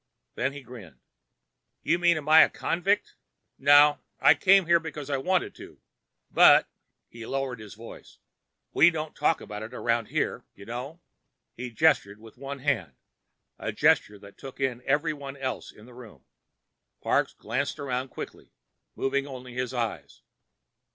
Then he grinned. "You mean am I a convict? Nah. I came here because I wanted to. But—" He lowered his voice. "—we don't talk about it around here. You know." He gestured with one hand—a gesture that took in everyone else in the room. Parks glanced around quickly, moving only his eyes.